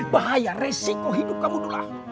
bahaya resiko hidup kamu dulu